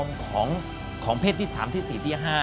สังคมของเพศที่สามที่สี่ที่ห้า